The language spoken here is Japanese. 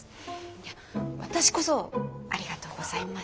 いや私こそありがとうございます。